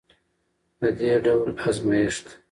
د دې ډول ازمیښت